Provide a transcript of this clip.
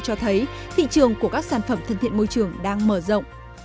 cho thấy thị trường của các sản phẩm thân thiện môi trường đang mở rộng